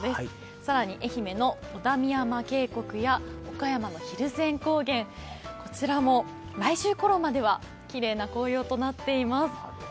さらに愛媛の小田深山渓谷や岡山の蒜山高原、こちらも来週ごろまではきれいな紅葉となっています。